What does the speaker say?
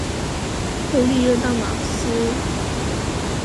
后历任大司马行参军及员外散骑侍郎。